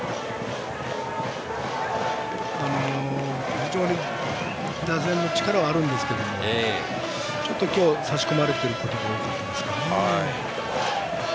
非常に打線の力はあるんですけどちょっと今日は差し込まれていることが多かったですかね。